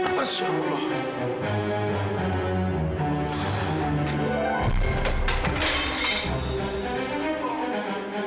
masya allah kak thoeman